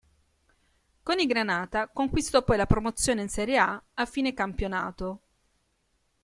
Con i granata conquistò poi la promozione in Serie A a fine campionato.